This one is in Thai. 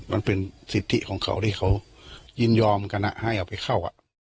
มันเป็นสิทธิของเขาที่เขายินยอมกันให้เอาไปเข้า